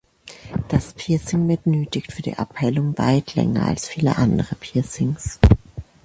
Das Piercing benötigt für die Abheilung weit länger als viele andere Piercings.